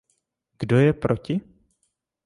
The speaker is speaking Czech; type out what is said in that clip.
Kdo je proti?